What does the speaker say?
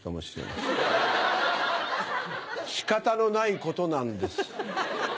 しかたのないことなんです。